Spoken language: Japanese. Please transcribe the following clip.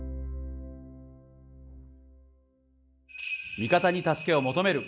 味方に助けを求める！